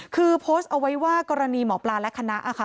คือโพสต์เอาไว้ว่ากรณีหมอปลาและคณะค่ะ